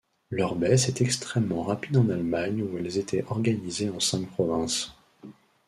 Leur baisse est extrêmement rapide en Allemagne où elles étaient organisées en cinq provinces.